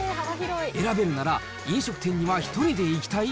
選べるなら飲食店には１人で行きたい？